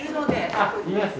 あっいます？